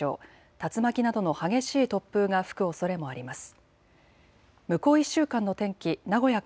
竜巻などの激しい突風が吹くおそれもあります。